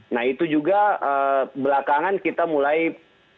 nah itu juga belakangan kita mulai